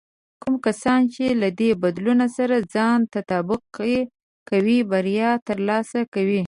کوم کسان چې له دې بدلون سره ځان تطابق کې کوي، بریا ترلاسه کوي.